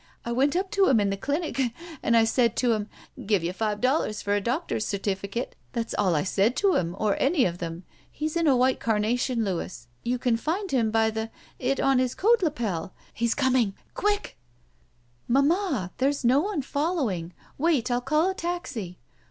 I went up to him in the clinic" "and I said to him, 'Give you five dollars for a doctor's certificate.' That's all I said to him, or any of them. He's in a white carnation, Louis. You can find him by the — it on his coat lapel. He's coming! Quick —" "Mamma, there's no one following. Wait, I'll call a taxi!"